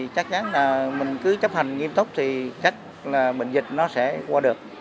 chắc chắn là mình cứ chấp hành nghiêm túc thì chắc là bệnh dịch nó sẽ qua được